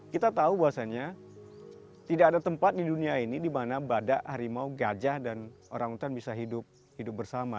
kita tahu bahwasannya tidak ada tempat di dunia ini di mana badak harimau gajah dan orangutan bisa hidup bersama